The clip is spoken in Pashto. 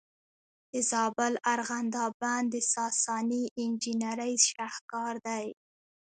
د زابل ارغنداب بند د ساساني انجینرۍ شاهکار دی